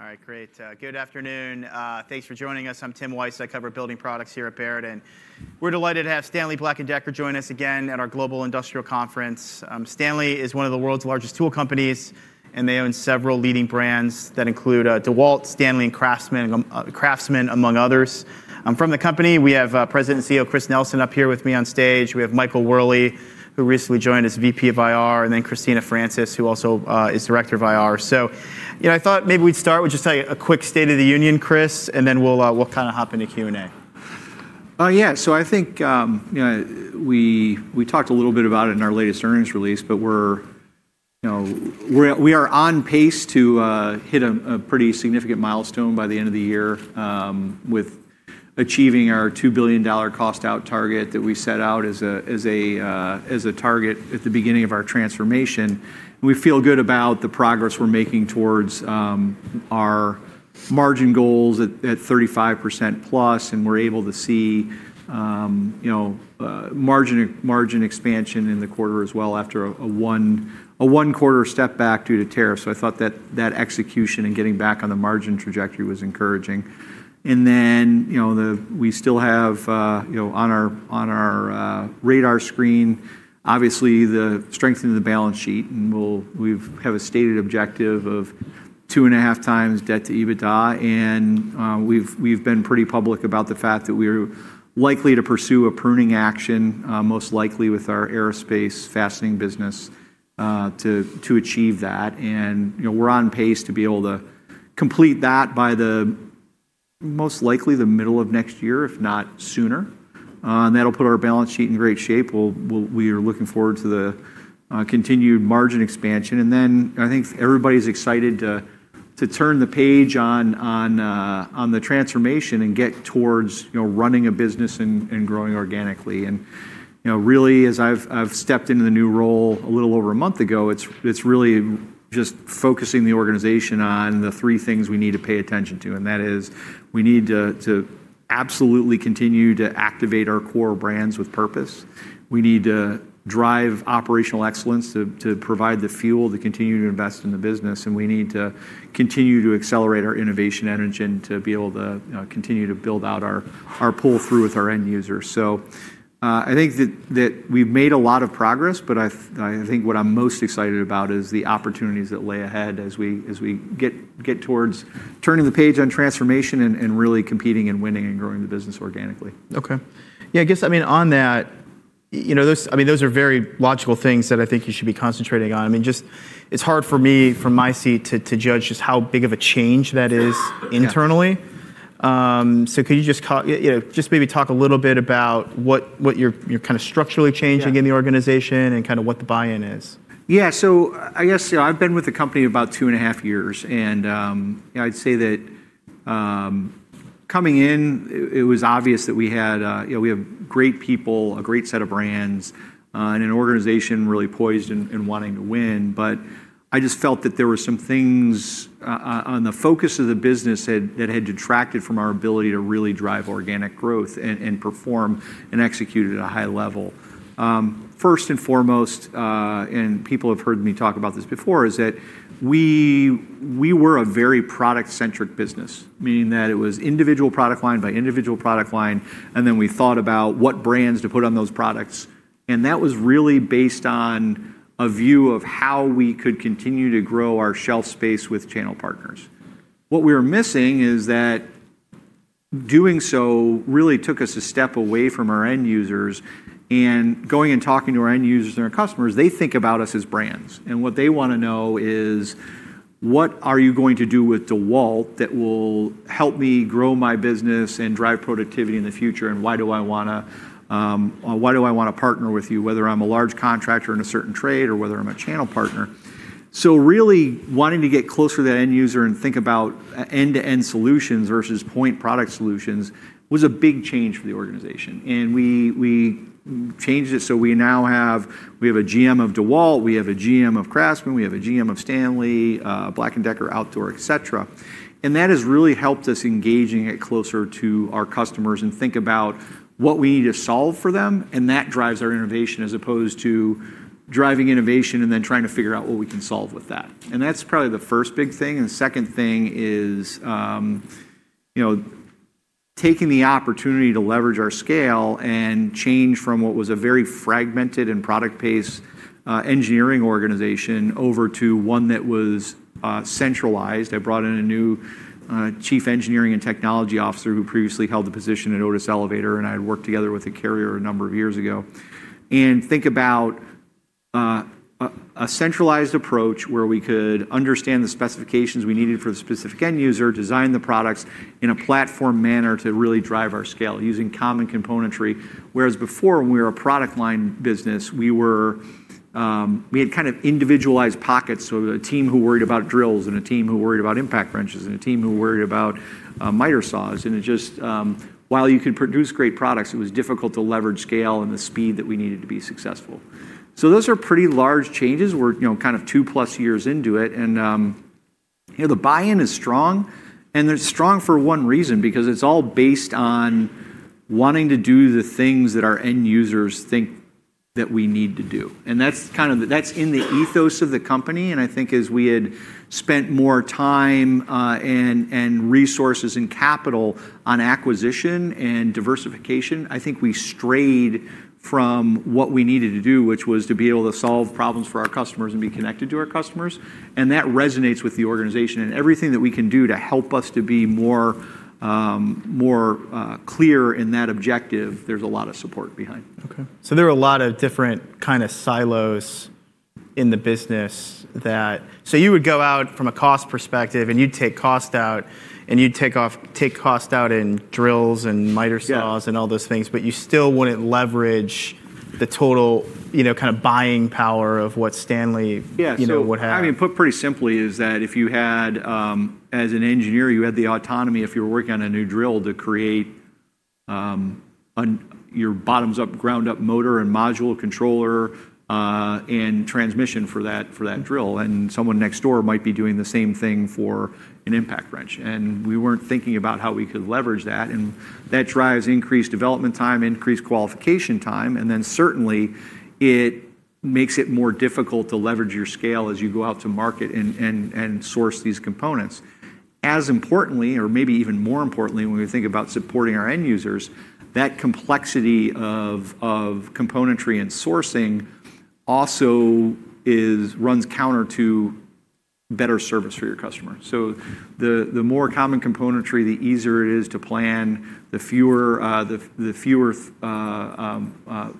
All right, great. Good afternoon. Thanks for joining us. I'm Tim Weiss. I cover building products here at Baird. We are delighted to have Stanley Black & Decker join us again at our Global Industrial Conference. Stanley is one of the world's largest tool companies, and they own several leading brands that include DEWALT, STANLEY, and CRAFTSMAN, among others. From the company, we have President and CEO Chris Nelson up here with me on stage. We have Michael Wherley, who recently joined as VP of IR, and then Christina Francis, who also is Director of IR. I thought maybe we'd start with just a quick State of the Union, Chris, and then we'll kind of hop into Q&A Yeah, so I think we talked a little bit about it in our latest earnings release, but we're on pace to hit a pretty significant milestone by the end of the year with achieving our $2 billion cost-out target that we set out as a target at the beginning of our transformation. We feel good about the progress we're making towards our margin goals at 35%+, and we're able to see margin expansion in the quarter as well after a one-quarter step back due to tariffs. I thought that execution and getting back on the margin trajectory was encouraging. We still have on our radar screen, obviously, the strengthening of the balance sheet. We have a stated objective of 2.5x debt to EBITDA. We have been pretty public about the fact that we are likely to pursue a pruning action, most likely with our aerospace fastening business, to achieve that. We are on pace to be able to complete that by most likely the middle of next year, if not sooner. That will put our balance sheet in great shape. We are looking forward to the continued margin expansion. I think everybody is excited to turn the page on the transformation and get towards running a business and growing organically. Really, as I have stepped into the new role a little over a month ago, it is really just focusing the organization on the three things we need to pay attention to. That is, we need to absolutely continue to activate our core brands with purpose. We need to drive operational excellence to provide the fuel to continue to invest in the business. We need to continue to accelerate our innovation energy and to be able to continue to build out our pull-through with our end users. I think that we've made a lot of progress, but I think what I'm most excited about is the opportunities that lay ahead as we get towards turning the page on transformation and really competing and winning and growing the business organically. OK. Yeah, I guess, I mean, on that, those are very logical things that I think you should be concentrating on. I mean, just it's hard for me, from my seat, to judge just how big of a change that is internally. Could you just maybe talk a little bit about what you're kind of structurally changing in the organization and kind of what the buy-in is? Yeah, so I guess I've been with the company about two and a half years. I'd say that coming in, it was obvious that we had great people, a great set of brands, and an organization really poised and wanting to win. I just felt that there were some things on the focus of the business that had detracted from our ability to really drive organic growth and perform and execute at a high level. First and foremost, and people have heard me talk about this before, is that we were a very product-centric business, meaning that it was individual product line by individual product line. Then we thought about what brands to put on those products. That was really based on a view of how we could continue to grow our shelf space with channel partners. What we were missing is that doing so really took us a step away from our end users. Going and talking to our end users and our customers, they think about us as brands. What they want to know is, what are you going to do with DEWALT that will help me grow my business and drive productivity in the future? Why do I want to partner with you, whether I'm a large contractor in a certain trade or whether I'm a channel partner? Really wanting to get closer to that end user and think about end-to-end solutions versus point product solutions was a big change for the organization. We changed it. We now have a GM of DEWALT. We have a GM of CRAFTSMAN. We have a GM of STANLEY, BLACK+DECKER Outdoor, et cetera. That has really helped us engage and get closer to our customers and think about what we need to solve for them. That drives our innovation as opposed to driving innovation and then trying to figure out what we can solve with that. That is probably the first big thing. The second thing is taking the opportunity to leverage our scale and change from what was a very fragmented and product-based engineering organization over to one that was centralized. I brought in a new Chief Engineering and Technology Officer who previously held the position at Otis Elevator. I had worked together with a carrier a number of years ago. Think about a centralized approach where we could understand the specifications we needed for the specific end user, design the products in a platform manner to really drive our scale using common componentry. Whereas before, when we were a product line business, we had kind of individualized pockets. We had a team who worried about drills and a team who worried about impact wrenches and a team who worried about miter saws. While you could produce great products, it was difficult to leverage scale and the speed that we needed to be successful. Those are pretty large changes. We are kind of two-plus years into it. The buy-in is strong. It is strong for one reason, because it is all based on wanting to do the things that our end users think that we need to do. That is kind of in the ethos of the company. I think as we had spent more time and resources and capital on acquisition and diversification, I think we strayed from what we needed to do, which was to be able to solve problems for our customers and be connected to our customers. That resonates with the organization. Everything that we can do to help us to be more clear in that objective, there is a lot of support behind. OK. There are a lot of different kind of silos in the business that you would go out from a cost perspective, and you'd take cost out, and you'd take cost out in drills and miter saws and all those things, but you still wouldn't leverage the total kind of buying power of what STANLEY would have. Yeah, so I mean, put pretty simply is that if you had, as an engineer, you had the autonomy, if you were working on a new drill, to create your bottoms-up, ground-up motor and module controller and transmission for that drill. Someone next door might be doing the same thing for an impact wrench. We were not thinking about how we could leverage that. That drives increased development time, increased qualification time. It makes it more difficult to leverage your scale as you go out to market and source these components. As importantly, or maybe even more importantly, when we think about supporting our end users, that complexity of componentry and sourcing also runs counter to better service for your customer. The more common componentry, the easier it is to plan, the fewer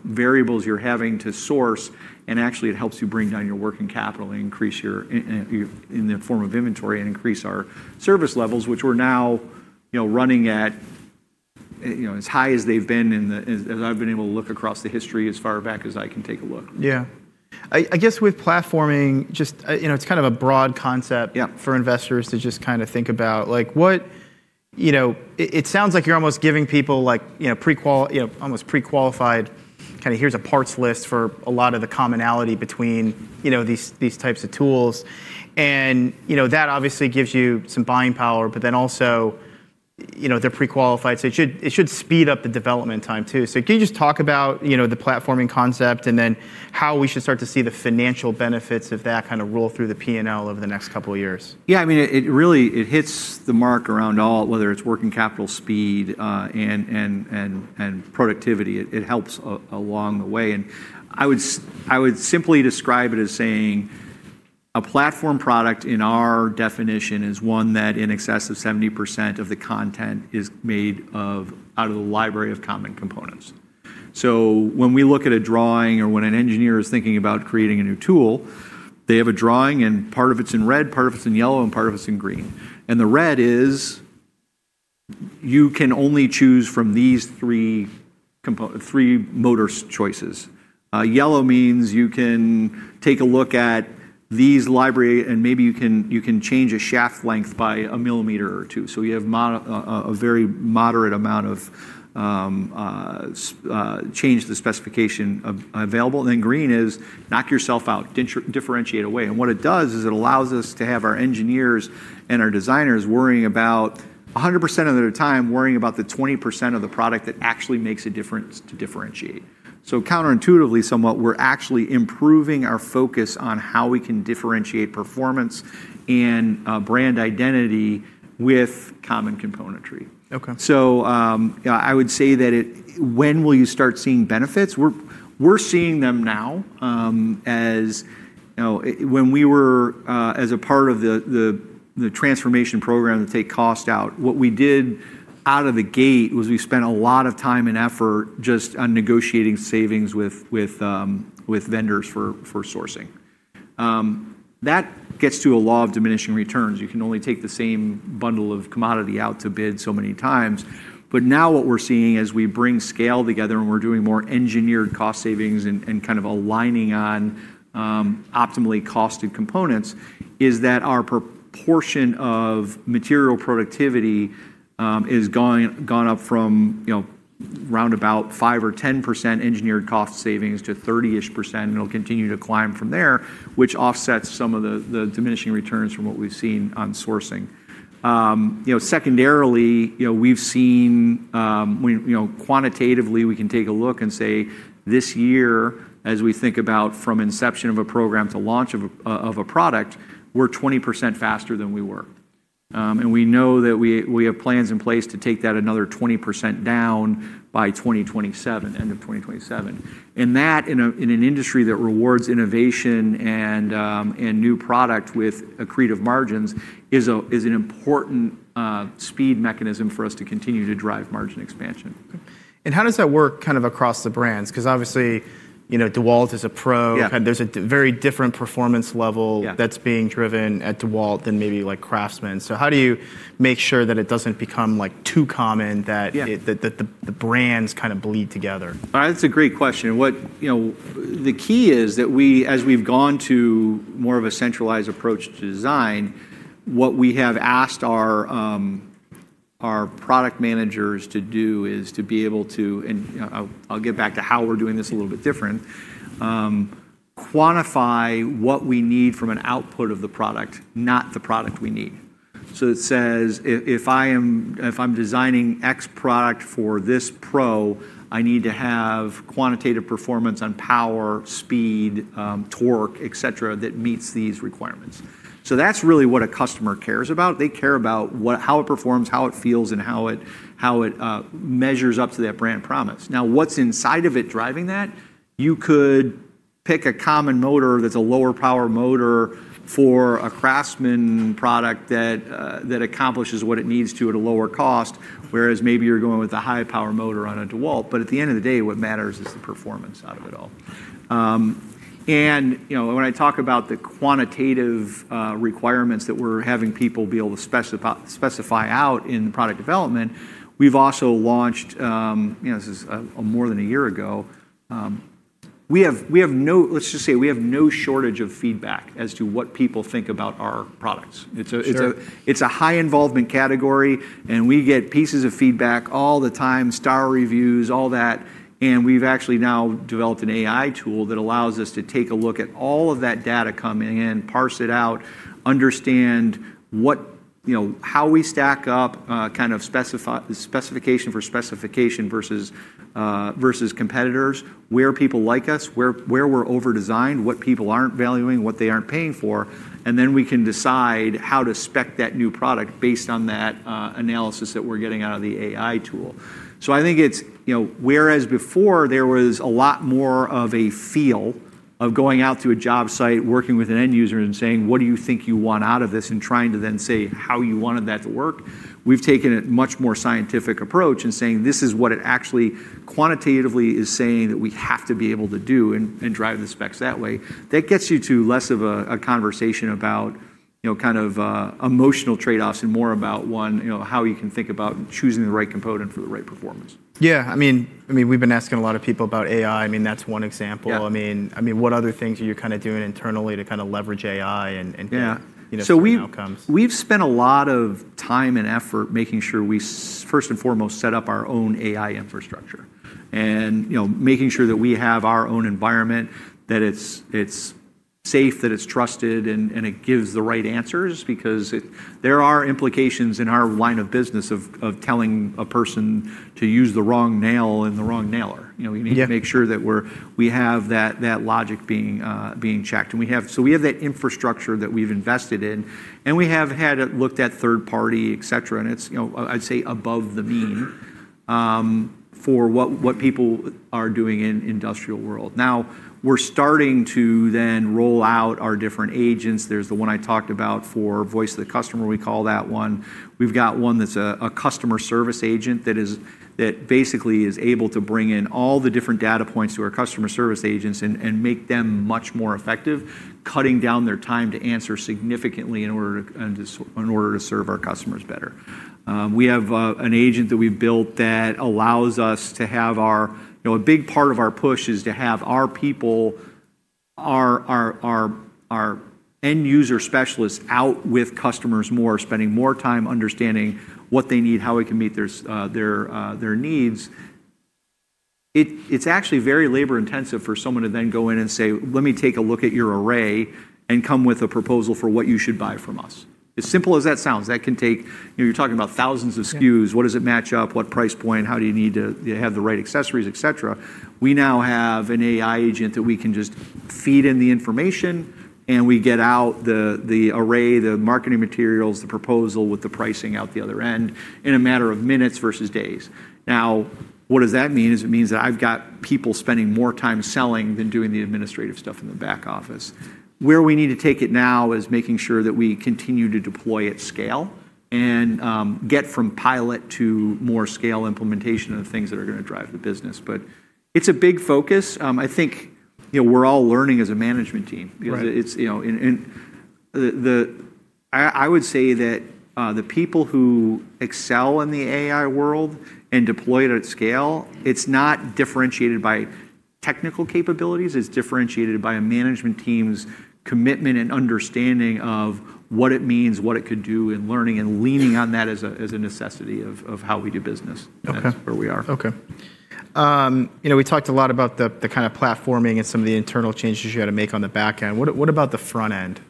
variables you are having to source. It actually helps you bring down your working capital and increase your in the form of inventory and increase our service levels, which we're now running at as high as they've been as I've been able to look across the history as far back as I can take a look. Yeah. I guess with platforming, just it's kind of a broad concept for investors to just kind of think about. It sounds like you're almost giving people almost pre-qualified kind of here's a parts list for a lot of the commonality between these types of tools. That obviously gives you some buying power, but then also they're pre-qualified. It should speed up the development time too. Can you just talk about the platforming concept and then how we should start to see the financial benefits of that kind of roll through the P&L over the next couple of years? Yeah, I mean, it really hits the mark around all, whether it's working capital speed and productivity. It helps along the way. I would simply describe it as saying a platform product in our definition is one that in excess of 70% of the content is made out of the library of common components. When we look at a drawing or when an engineer is thinking about creating a new tool, they have a drawing. Part of it's in red, part of it's in yellow, and part of it's in green. The red is you can only choose from these three motor choices. Yellow means you can take a look at these libraries, and maybe you can change a shaft length by a millimeter or two. You have a very moderate amount of change to the specification available. Green is knock yourself out, differentiate away. What it does is it allows us to have our engineers and our designers worrying about 100% of their time, worrying about the 20% of the product that actually makes a difference to differentiate. Counterintuitively somewhat, we're actually improving our focus on how we can differentiate performance and brand identity with common componentry. I would say that when will you start seeing benefits? We're seeing them now. When we were, as a part of the transformation program to take cost out, what we did out of the gate was we spent a lot of time and effort just on negotiating savings with vendors for sourcing. That gets to a law of diminishing returns. You can only take the same bundle of commodity out to bid so many times. What we're seeing as we bring scale together and we're doing more engineered cost savings and kind of aligning on optimally costed components is that our proportion of material productivity has gone up from around 5% or 10% engineered cost savings to 30%-ish. It will continue to climb from there, which offsets some of the diminishing returns from what we've seen on sourcing. Secondarily, we've seen quantitatively, we can take a look and say this year, as we think about from inception of a program to launch of a product, we're 20% faster than we were. We know that we have plans in place to take that another 20% down by 2027, end of 2027. That in an industry that rewards innovation and new product with accretive margins is an important speed mechanism for us to continue to drive margin expansion. How does that work kind of across the brands? Because obviously, DEWALT is a pro. There is a very different performance level that is being driven at DEWALT than maybe CRAFTSMAN. How do you make sure that it does not become too common that the brands kind of bleed together? That's a great question. The key is that as we've gone to more of a centralized approach to design, what we have asked our product managers to do is to be able to, and I'll get back to how we're doing this a little bit different, quantify what we need from an output of the product, not the product we need. It says, if I'm designing X product for this pro, I need to have quantitative performance on power, speed, torque, et cetera, that meets these requirements. That's really what a customer cares about. They care about how it performs, how it feels, and how it measures up to that brand promise. Now, what's inside of it driving that? You could pick a common motor that's a lower power motor for a CRAFTSMAN product that accomplishes what it needs to at a lower cost, whereas maybe you're going with a high power motor on a DEWALT. At the end of the day, what matters is the performance out of it all. When I talk about the quantitative requirements that we're having people be able to specify out in the product development, we've also launched this, this is more than a year ago. Let's just say we have no shortage of feedback as to what people think about our products. It's a high involvement category. We get pieces of feedback all the time, star reviews, all that. We have actually now developed an AI tool that allows us to take a look at all of that data coming in, parse it out, understand how we stack up kind of specification for specification versus competitors, where people like us, where we are over-designed, what people are not valuing, what they are not paying for. We can then decide how to spec that new product based on that analysis that we are getting out of the AI tool. I think it's whereas before there was a lot more of a feel of going out to a job site, working with an end user, and saying, what do you think you want out of this, and trying to then say how you wanted that to work, we've taken a much more scientific approach and saying, this is what it actually quantitatively is saying that we have to be able to do and drive the specs that way. That gets you to less of a conversation about kind of emotional trade-offs and more about how you can think about choosing the right component for the right performance. Yeah. I mean, we've been asking a lot of people about AI. I mean, that's one example. I mean, what other things are you kind of doing internally to kind of leverage AI and kind of see the outcomes? We've spent a lot of time and effort making sure we first and foremost set up our own AI infrastructure and making sure that we have our own environment, that it's safe, that it's trusted, and it gives the right answers. Because there are implications in our line of business of telling a person to use the wrong nail and the wrong nailer. We need to make sure that we have that logic being checked. We have that infrastructure that we've invested in. We have had it looked at third party, et cetera. It's, I'd say, above the mean for what people are doing in the industrial world. Now, we're starting to then roll out our different agents. There's the one I talked about for voice of the customer. We call that one. We've got one that's a customer service agent that basically is able to bring in all the different data points to our customer service agents and make them much more effective, cutting down their time to answer significantly in order to serve our customers better. We have an agent that we've built that allows us to have our, a big part of our push is to have our people, our end user specialists, out with customers more, spending more time understanding what they need, how we can meet their needs. It's actually very labor intensive for someone to then go in and say, let me take a look at your array and come with a proposal for what you should buy from us. As simple as that sounds, that can take, you're talking about thousands of SKUs. What does it match up? What price point? How do you need to have the right accessories, et cetera? We now have an AI agent that we can just feed in the information. We get out the array, the marketing materials, the proposal with the pricing out the other end in a matter of minutes versus days. Now, what does that mean? It means that I've got people spending more time selling than doing the administrative stuff in the back office. Where we need to take it now is making sure that we continue to deploy at scale and get from pilot to more scale implementation of the things that are going to drive the business. It is a big focus. I think we are all learning as a management team. I would say that the people who excel in the AI world and deploy it at scale, it is not differentiated by technical capabilities. It's differentiated by a management team's commitment and understanding of what it means, what it could do, and learning and leaning on that as a necessity of how we do business and where we are. OK. We talked a lot about the kind of platforming and some of the internal changes you had to make on the back end. What about the front end?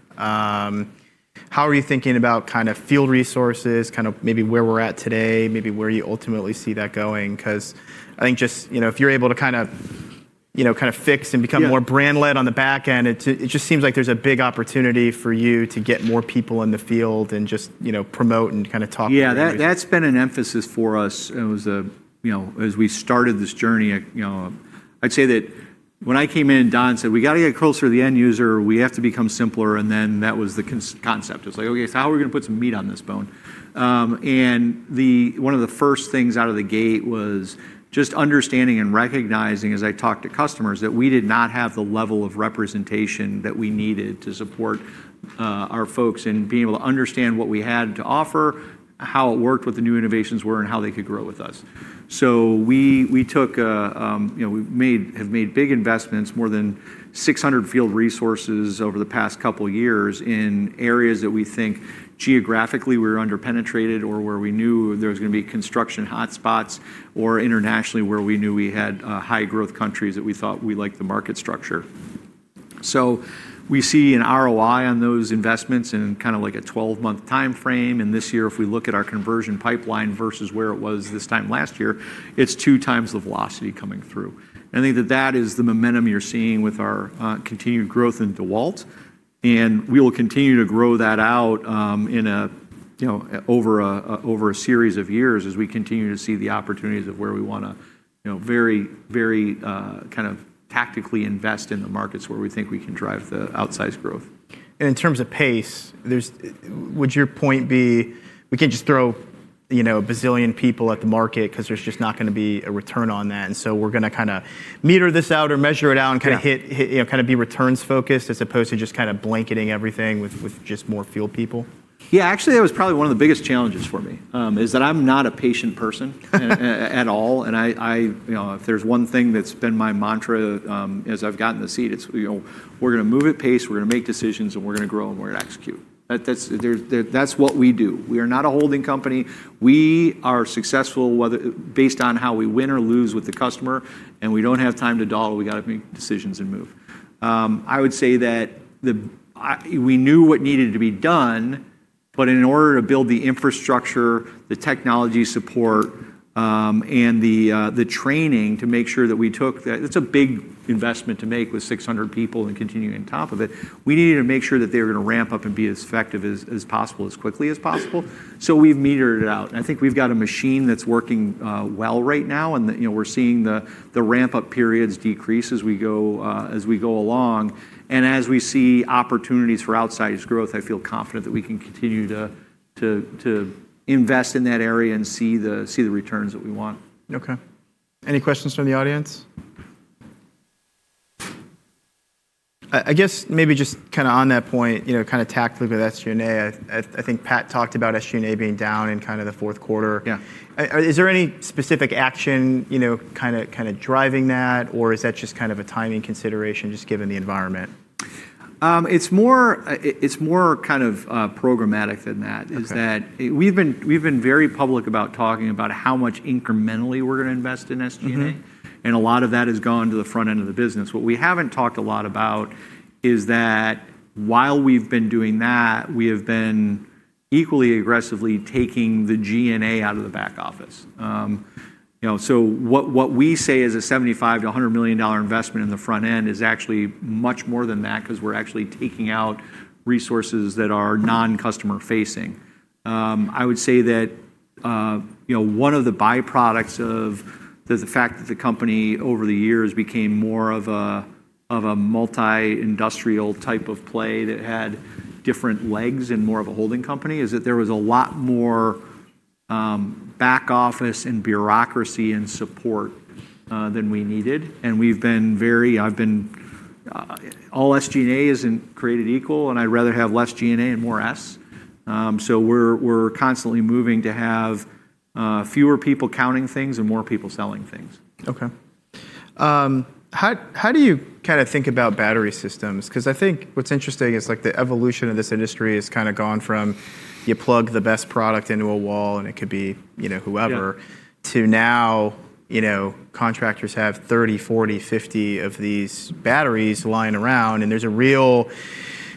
How are you thinking about kind of field resources, kind of maybe where we're at today, maybe where you ultimately see that going? Because I think just if you're able to kind of fix and become more brand led on the back end, it just seems like there's a big opportunity for you to get more people in the field and just promote and kind of talk about. Yeah, that's been an emphasis for us. As we started this journey, I'd say that when I came in, Don said, we got to get closer to the end user. We have to become simpler. That was the concept. It was like, OK, how are we going to put some meat on this bone? One of the first things out of the gate was just understanding and recognizing, as I talked to customers, that we did not have the level of representation that we needed to support our folks in being able to understand what we had to offer, how it worked, what the new innovations were, and how they could grow with us. We have made big investments, more than 600 field resources over the past couple of years in areas that we think geographically we were underpenetrated or where we knew there was going to be construction hotspots or internationally where we knew we had high growth countries that we thought we liked the market structure. We see an ROI on those investments in kind of like a 12-month time frame. This year, if we look at our conversion pipeline versus where it was this time last year, it's two times the velocity coming through. I think that that is the momentum you're seeing with our continued growth in DEWALT. We will continue to grow that out over a series of years as we continue to see the opportunities of where we want to very, very kind of tactically invest in the markets where we think we can drive the outsized growth. In terms of pace, would your point be we can't just throw a bazillion people at the market because there's just not going to be a return on that? We're going to kind of meter this out or measure it out and kind of be returns focused as opposed to just kind of blanketing everything with just more field people? Yeah, actually, that was probably one of the biggest challenges for me is that I'm not a patient person at all. If there's one thing that's been my mantra as I've gotten the seat, it's we're going to move at pace. We're going to make decisions. We're going to grow. We're going to execute. That's what we do. We are not a holding company. We are successful based on how we win or lose with the customer. We don't have time to dawdle. We got to make decisions and move. I would say that we knew what needed to be done. In order to build the infrastructure, the technology support, and the training to make sure that we took, that's a big investment to make with 600 people and continuing on top of it. We needed to make sure that they were going to ramp up and be as effective as possible as quickly as possible. We have metered it out. I think we have got a machine that is working well right now. We are seeing the ramp-up periods decrease as we go along. As we see opportunities for outsized growth, I feel confident that we can continue to invest in that area and see the returns that we want. OK. Any questions from the audience? I guess maybe just kind of on that point, kind of tactically with SG&A, I think Pat talked about SG&A being down in kind of the fourth quarter. Is there any specific action kind of driving that? Or is that just kind of a timing consideration just given the environment? It's more kind of programmatic than that is that we've been very public about talking about how much incrementally we're going to invest in SG&A. A lot of that has gone to the front end of the business. What we haven't talked a lot about is that while we've been doing that, we have been equally aggressively taking the G&A out of the back office. What we say is a $75 million-$100 million investment in the front end is actually much more than that because we're actually taking out resources that are non-customer facing. I would say that one of the byproducts of the fact that the company over the years became more of a multi-industrial type of play that had different legs and more of a holding company is that there was a lot more back office and bureaucracy and support than we needed. I've been all SG&A isn't created equal. I'd rather have less G&A and more S. We're constantly moving to have fewer people counting things and more people selling things. OK. How do you kind of think about battery systems? Because I think what's interesting is the evolution of this industry has kind of gone from you plug the best product into a wall, and it could be whoever, to now contractors have 30, 40, 50 of these batteries lying around. There's a real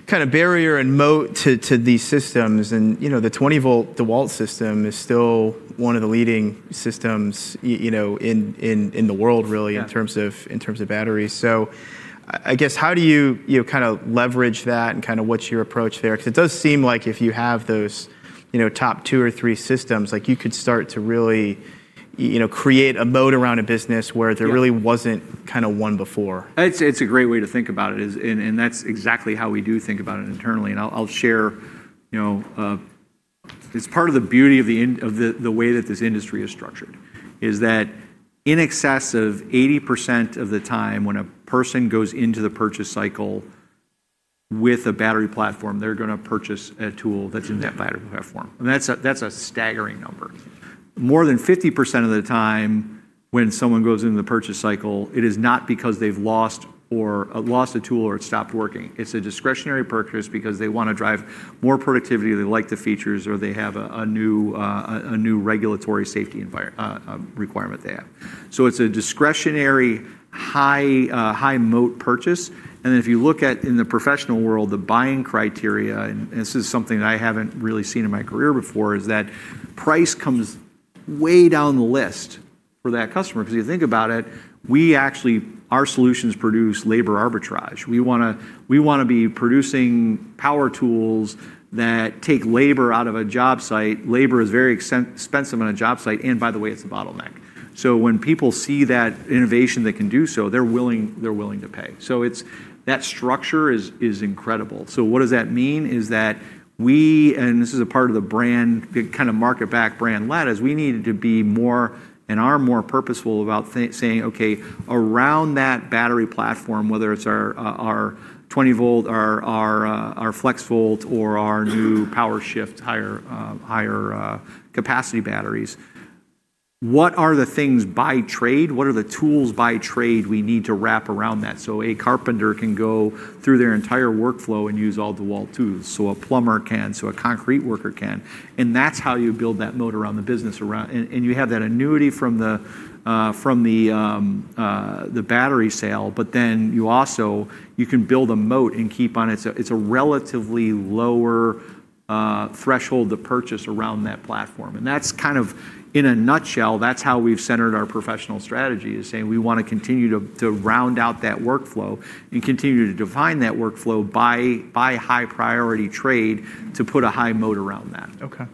kind of barrier and moat to these systems. The 20 V DEWALT system is still one of the leading systems in the world, really, in terms of batteries. I guess how do you kind of leverage that and what's your approach there? It does seem like if you have those top two or three systems, you could start to really create a moat around a business where there really wasn't one before. It's a great way to think about it. That is exactly how we do think about it internally. I'll share it is part of the beauty of the way that this industry is structured, that in excess of 80% of the time when a person goes into the purchase cycle with a battery platform, they are going to purchase a tool that is in that battery platform. That is a staggering number. More than 50% of the time when someone goes into the purchase cycle, it is not because they have lost a tool or it stopped working. It is a discretionary purchase because they want to drive more productivity, they like the features, or they have a new regulatory safety requirement they have. It is a discretionary high moat purchase. If you look at in the professional world, the buying criteria, and this is something that I have not really seen in my career before, is that price comes way down the list for that customer. Because if you think about it, our solutions produce labor arbitrage. We want to be producing power tools that take labor out of a job site. Labor is very expensive on a job site. By the way, it is a bottleneck. When people see that innovation that can do so, they are willing to pay. That structure is incredible. What does that mean? Is that we, and this is a part of the brand kind of market back brand let, is we need to be more and are more purposeful about saying, OK, around that battery platform, whether it's our 20 V, our FlexVolt, or our new POWERSHIFT higher capacity batteries, what are the things by trade? What are the tools by trade we need to wrap around that so a carpenter can go through their entire workflow and use all DEWALT tools? A plumber can. A concrete worker can. That is how you build that moat around the business. You have that annuity from the battery sale. You also can build a moat and keep on it. It's a relatively lower threshold to purchase around that platform. That's kind of in a nutshell, that's how we've centered our professional strategy, is saying we want to continue to round out that workflow and continue to define that workflow by high priority trade to put a high moat around that. OK.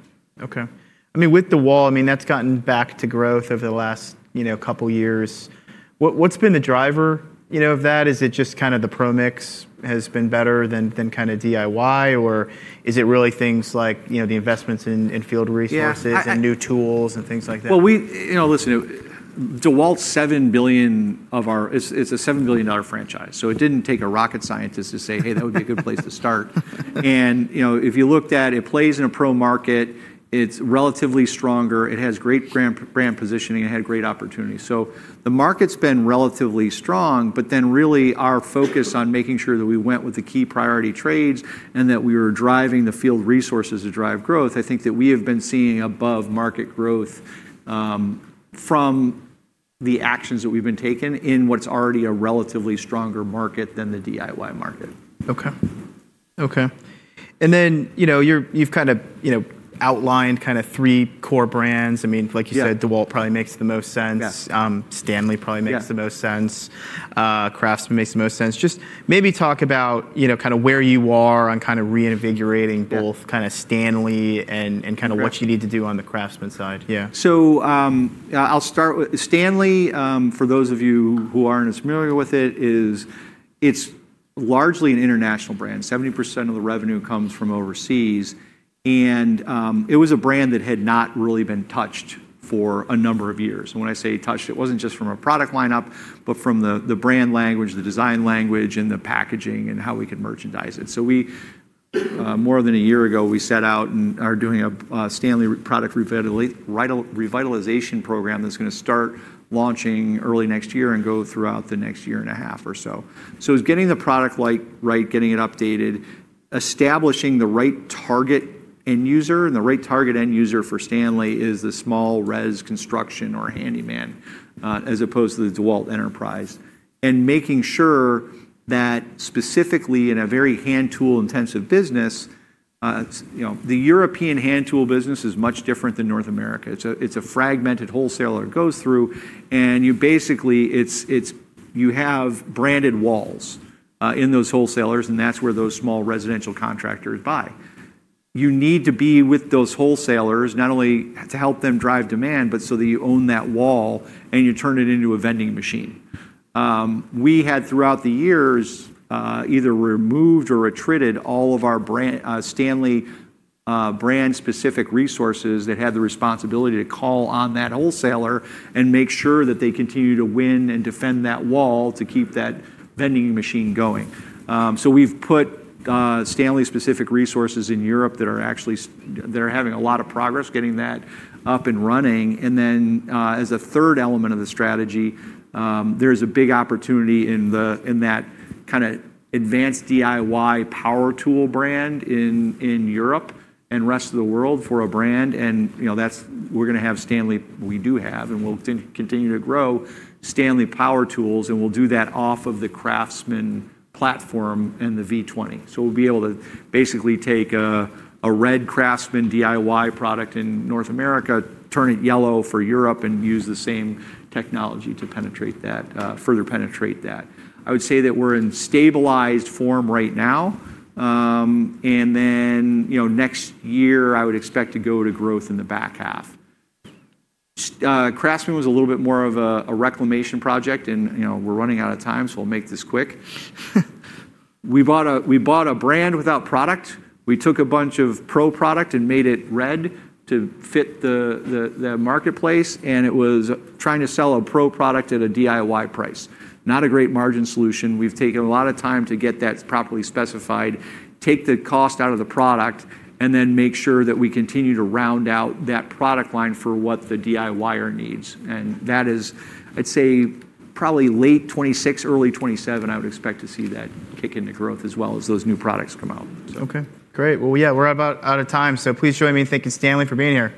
OK. I mean, with DEWALT, I mean, that's gotten back to growth over the last couple of years. What's been the driver of that? Is it just kind of the ProMix has been better than kind of DIY? Or is it really things like the investments in field resources and new tools and things like that? DEWALT's $7 billion of our, it's a $7 billion franchise. It did not take a rocket scientist to say, hey, that would be a good place to start. If you looked at it, it plays in a pro market, it's relatively stronger. It has great brand positioning. It had great opportunity. The market's been relatively strong. Really, our focus on making sure that we went with the key priority trades and that we were driving the field resources to drive growth, I think that we have been seeing above market growth from the actions that we've been taking in what's already a relatively stronger market than the DIY market. OK. OK. You've kind of outlined three core brands. I mean, like you said, DEWALT probably makes the most sense. STANLEY probably makes the most sense. CRAFTSMAN makes the most sense. Just maybe talk about where you are on reinvigorating both STANLEY and what you need to do on the CRAFTSMAN side. Yeah. I'll start with STANLEY. For those of you who aren't as familiar with it, it's largely an international brand. 70% of the revenue comes from overseas. It was a brand that had not really been touched for a number of years. When I say touched, it wasn't just from a product lineup, but from the brand language, the design language, the packaging, and how we can merchandise it. More than a year ago, we set out and are doing a STANLEY product revitalization program that's going to start launching early next year and go throughout the next year and a half or so. It's getting the product right, getting it updated, establishing the right target end user. The right target end user for STANLEY is the small residential construction or handyman as opposed to the DEWALT enterprise, and making sure that specifically in a very hand tool intensive business, the European hand tool business is much different than North America. It is a fragmented wholesaler that goes through. Basically, you have branded walls in those wholesalers, and that is where those small residential contractors buy. You need to be with those wholesalers not only to help them drive demand, but so that you own that wall and you turn it into a vending machine. We had throughout the years either removed or retreated all of our STANLEY brand-specific resources that had the responsibility to call on that wholesaler and make sure that they continue to win and defend that wall to keep that vending machine going. We have put STANLEY-specific resources in Europe that are actually having a lot of progress getting that up and running. As a third element of the strategy, there is a big opportunity in that kind of advanced DIY power tool brand in Europe and rest of the world for a brand. We are going to have STANLEY, we do have, and we will continue to grow STANLEY power tools. We will do that off of the CRAFTSMAN platform and the V20. We will be able to basically take a red CRAFTSMAN DIY product in North America, turn it yellow for Europe, and use the same technology to further penetrate that. I would say that we are in stabilized form right now. Next year, I would expect to go to growth in the back half. CRAFTSMAN was a little bit more of a reclamation project. We're running out of time. We'll make this quick. We bought a brand without product. We took a bunch of pro product and made it red to fit the marketplace. It was trying to sell a pro product at a DIY price. Not a great margin solution. We've taken a lot of time to get that properly specified, take the cost out of the product, and then make sure that we continue to round out that product line for what the DIYer needs. That is, I'd say, probably late 2026, early 2027, I would expect to see that kick into growth as well as those new products come out. OK. Great. Yeah, we're about out of time. Please join me in thanking STANLEY for being here.